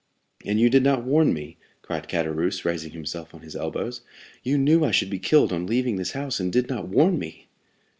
'" "And you did not warn me!" cried Caderousse, raising himself on his elbows. "You knew I should be killed on leaving this house, and did not warn me!"